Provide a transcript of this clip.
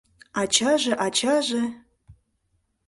Ачаже, ачаже...